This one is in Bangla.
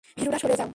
ভীরুরা, সরে যাও।